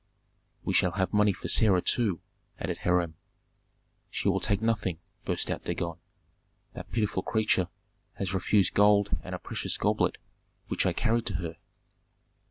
"We shall have money for Sarah too," added Hiram. "She will take nothing!" burst out Dagon. "That pitiful creature has refused gold and a precious goblet, which I carried to her."